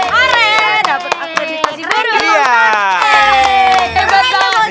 maret dapet akreditasi buruk